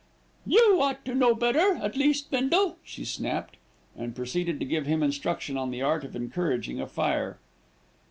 "You ought to know better, at least, Bindle," she snapped, and proceeded to give him instruction in the art of encouraging a fire.